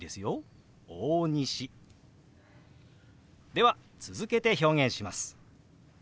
では続けて表現します。